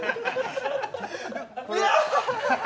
うわ！